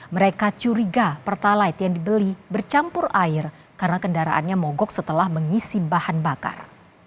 mereka curiga pertalite yang dibeli bercampur air karena kendaraannya mogok setelah mengisi bahan bakar